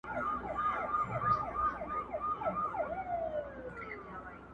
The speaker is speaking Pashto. ښه خواږه لکه ګلان داسي ښایسته وه,